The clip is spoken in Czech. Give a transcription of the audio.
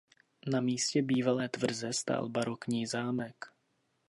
Na místě bývalé tvrze stál barokní zámek.